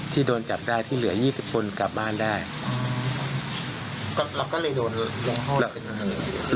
ที่โดนจับได้ที่เหลือยี่สิบคนกลับบ้านได้อ๋อเราก็เลยโดนรวมเข้า